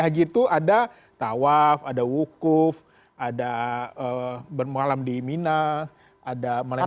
haji itu ada tawaf ada wukuf ada bermalam di imina ada melimpah numroh